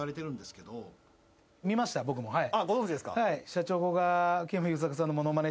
あっご存じですか。